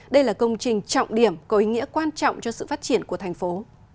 đây là công trình trọng điểm có ý nghĩa quan trọng cho sự phát triển của thành phố